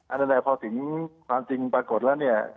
อันนั้นแหละพอสิ่งความจริงปรากฏแล้ว